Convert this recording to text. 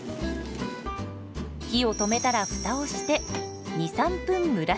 火を止めたらフタをして２３分蒸らします。